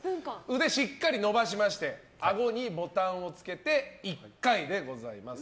腕、しっかり伸ばしましてあごにボタンをつけて１回でございます。